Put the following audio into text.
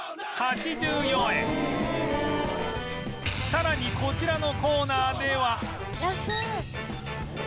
さらにこちらのコーナーでは